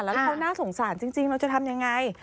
แล้วเขาน่าสงสารจริงเราจะทำยังไง